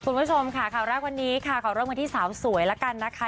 คุณผู้ชมค่ะข่าวแรกวันนี้ค่ะขอเริ่มกันที่สาวสวยแล้วกันนะคะ